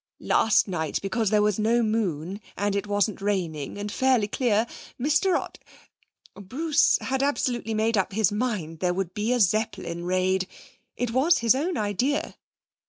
Last night, because there was no moon, and it wasn't raining, and fairly clear, Mr Ott Bruce had absolutely made up his mind there would be a Zeppelin raid. It was his own idea.'